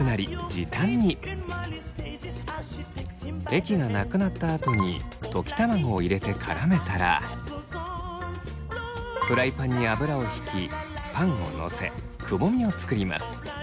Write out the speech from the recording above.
液がなくなったあとに溶き卵を入れて絡めたらフライパンに油を引きパンをのせくぼみを作ります。